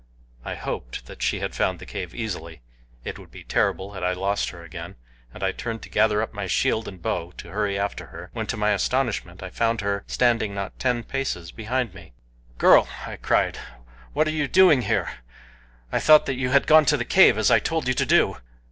I hoped that she had found the cave easily it would be terrible had I lost her again, and I turned to gather up my shield and bow to hurry after her, when to my astonishment I found her standing not ten paces behind me. "Girl!" I cried, "what are you doing here? I thought that you had gone to the cave, as I told you to do."